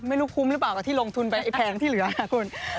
ไม่รู้คุ้มหรือเปล่ากับที่ลงทุนไปไอ้แพงที่เหลือนะคุณ